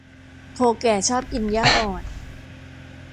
โคแก่ชอบกินหญ้าอ่อน